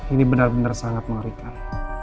ini benar benar sangat mengerikan